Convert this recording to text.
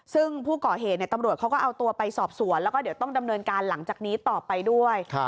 ซึ่งผู้ก่อเหตุตำรวจเขาก็เอาตัวไปสอบสวนแล้วก็เดี๋ยวต้องดำเนินการหลังจากนี้ต่อไปด้วย